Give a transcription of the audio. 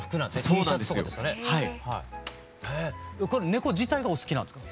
ネコ自体がお好きなんですか？